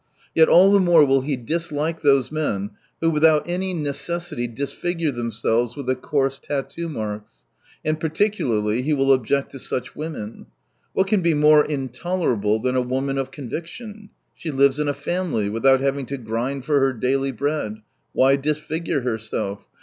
Yet all the more will he dislike those men who without any necessity disfigure themselves with the coarse tattoo marks. And particularly he will object to such women. What can be more intolerable than a woman of conviction. She lives in a family, without having to grind for her daily bread — why disfigure herself